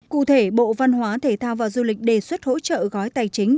cụ thể bộ văn hóa thể thao và du lịch đề xuất hỗ trợ gói tài chính